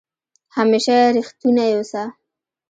همېشه ریښتونی اوسه